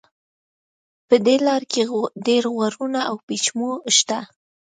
په دې لاره کې ډېر غرونه او پېچومي شته.